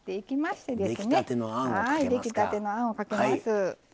出来たてのあんをかけます。